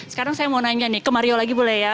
sekarang saya mau nanya nih ke mario lagi boleh ya